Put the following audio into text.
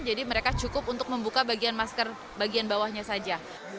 jadi mereka cukup untuk membuka bagian masker bagian bawahnya saja